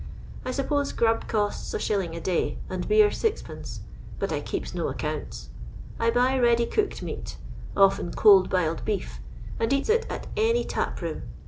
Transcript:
I suppose grub costs Is. a day, and beer 6d. ; but I keeps no accounts. I buy ready cooked meat; often cold b'iled beef, and eats it at any tap room.